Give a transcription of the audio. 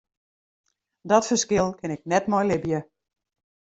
Dat ferskil kin ik net mei libje.